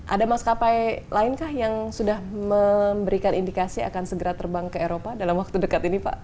ada maskapai lain kah yang sudah memberikan indikasi akan segera terbang ke eropa dalam waktu dekat ini pak